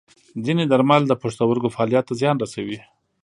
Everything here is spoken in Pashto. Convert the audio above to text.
ځینې درمل د پښتورګو فعالیت ته زیان رسوي.